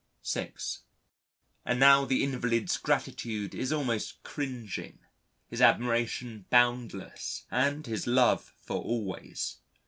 (6) And now the invalid's gratitude is almost cringeing, his admiration boundless and his love for always.